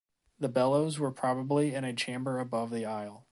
The bellows were probably in a chamber above the aisle.